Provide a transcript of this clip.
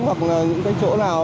hoặc là những cái chỗ nào